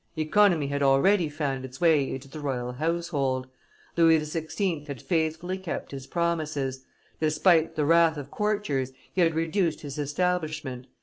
Economy had already found its way into the royal household; Louis XVI. had faithfully kept his promises; despite the wrath of courtiers, he had reduced his establishment.